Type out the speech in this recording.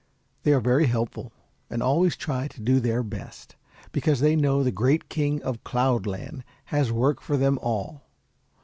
They are very helpful, and always try to do their best, because they know the great King of Cloudland has work for them all.